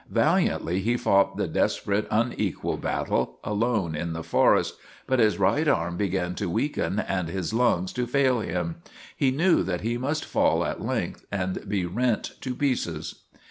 Valiantly he fought the desperate, unequal battle, alone in the forest, but his right arm began to weaken and his lungs to fail him. He knew that he must fall at length and be rent to pieces.